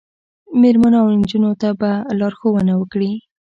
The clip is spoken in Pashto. میرمنو او نجونو ته به لارښوونه وکړي